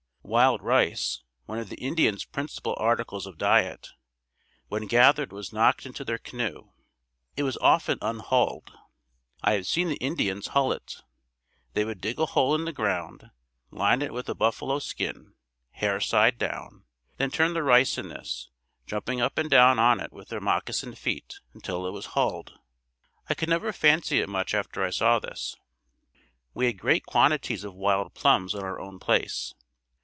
Wild rice, one of the Indians' principal articles of diet, when gathered was knocked into their canoe. It was often unhulled. I have seen the Indians hull it. They would dig a hole in the ground, line it with a buffalo skin, hair side down, then turn the rice in this, jumping up and down on it with their moccasined feet until it was hulled. I could never fancy it much after I saw this. We had great quantities of wild plums on our own place.